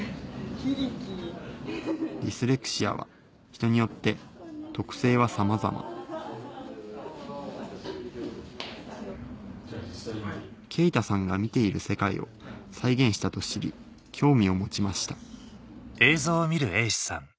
ディスレクシアは人によって特性はさまざま勁太さんが見ている世界を再現したと知り興味を持ちました